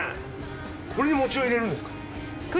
これに餅を入れるんですか？